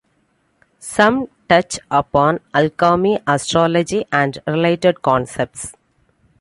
Some touch upon alchemy, astrology, and related concepts.